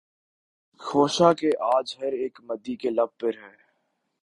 خوشا کہ آج ہر اک مدعی کے لب پر ہے